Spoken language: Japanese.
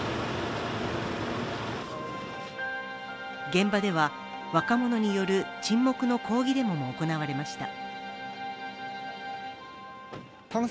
現場では若者による沈黙の抗議デモも行われました。